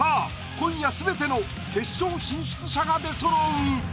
今夜すべての決勝進出者が出そろう。